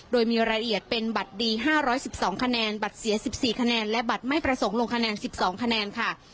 โดยมีรายละเอียดเป็นบัตรดี๕๑๒คะแนนบัตรเสีย๑๔คะแนนและบัตรไม่ประสงค์ลงคะแนน๑๒คะแนนค่ะ